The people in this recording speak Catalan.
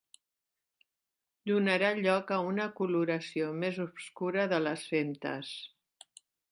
Donarà lloc a una coloració més obscura de les femtes.